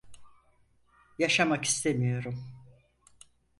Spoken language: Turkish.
Yaşamak istemiyorum.